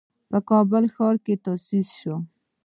په کابل ښار کې تأسيس شوه.